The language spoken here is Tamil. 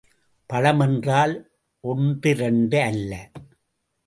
பழம் என்றால் ஒன்றிரண்டு அல்ல.